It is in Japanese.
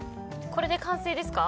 これで完成ですか？